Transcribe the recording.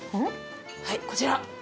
はいこちら。